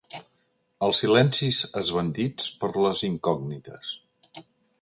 Els silencis esbandits per les incògnites.